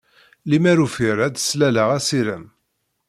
Limer ufiɣ ad d-slaleɣ asirem.